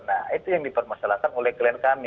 nah itu yang dipermasalahkan oleh klien kami